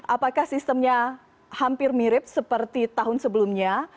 apakah sistemnya hampir mirip seperti tahun sebelumnya